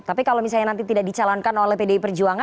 tapi kalau misalnya nanti tidak dicalonkan oleh pdi perjuangan